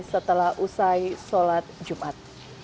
setelah usai sholat jumat